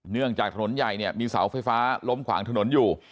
เนื่องจากถนนใหญ่เนี่ยมีเสาไฟฟ้าล้มขวางถนนอยู่